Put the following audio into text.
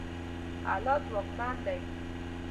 الله ځواکمن دی.